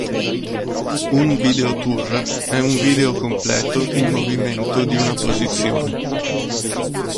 Un video tour è un video completo in movimento di una posizione.